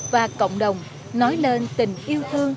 và cộng đồng nói lên tình yêu thương